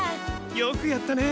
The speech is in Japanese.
よくやったね。